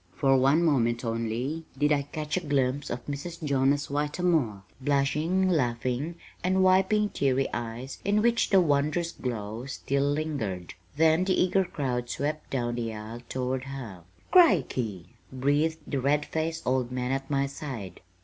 For one moment only did I catch a glimpse of Mrs. Jonas Whitermore, blushing, laughing, and wiping teary eyes in which the wondrous glow still lingered; then the eager crowd swept down the aisle toward her. "Crickey!" breathed the red faced old man at my side.